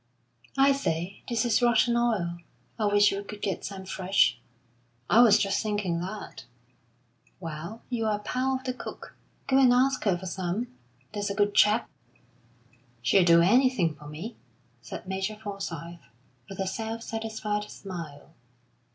"I say, this is rotten oil. I wish we could get some fresh." "I was just thinking that." "Well, you're a pal of the cook. Go and ask her for some, there's a good chap." "She'll do anything for me," said Major Forsyth, with a self satisfied smile.